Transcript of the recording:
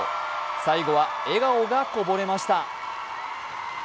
最後は笑顔がこぼれました。